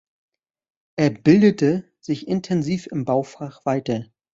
Er bildete sich intensiv im Baufach weiter.